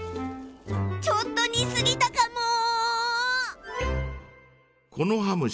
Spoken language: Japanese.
ちょっと似すぎたかも。